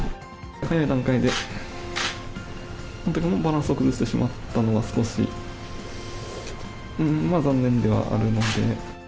早い段階で、本当にもうバランスを崩してしまったのが少し残念ではあるので。